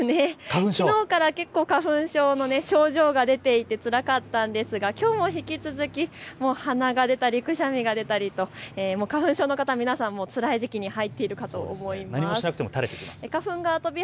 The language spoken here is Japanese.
きのうから結構、花粉症の症状が出ていてつらかったんですがきょうも引き続き鼻が出たりくしゃみが出たりと花粉症の方、皆さん、つらい時期に入っているかと思います。